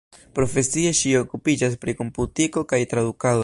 Profesie ŝi okupiĝas pri komputiko kaj tradukado.